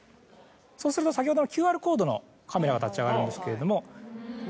そうすると先ほどのＱＲコードのカメラが立ち上がるんですけれども。